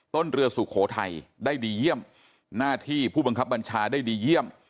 เรือสุโขทัยได้ดีเยี่ยมหน้าที่ผู้บังคับบัญชาได้ดีเยี่ยม